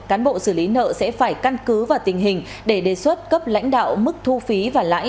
cán bộ xử lý nợ sẽ phải căn cứ vào tình hình để đề xuất cấp lãnh đạo mức thu phí và lãi